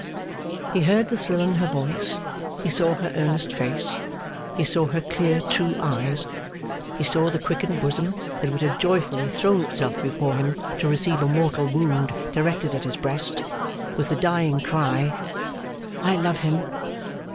He heard the thrill in her voice, he saw her earnest face, he saw her clear true eyes, he saw the quickened bosom that would have joyfully thrown itself before him to receive a mortal wound directed at his breast, with the dying cry, 'I love him!